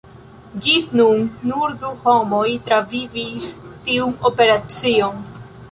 Ĝis nun nur du homoj travivis tiun operacion!